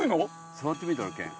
触ってみたら健。